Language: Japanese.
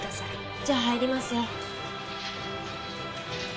じゃあ入りますよ。